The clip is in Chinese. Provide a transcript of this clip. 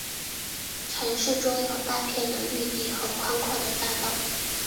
城市中有大片的绿地和宽阔的大道。